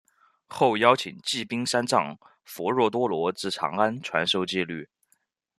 后邀请罽宾三藏弗若多罗至长安传授戒律。